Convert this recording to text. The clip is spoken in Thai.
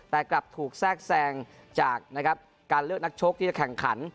แต่กลับถูกแทรกแทรงจากการเลือกนักชกที่จะแข่งขัน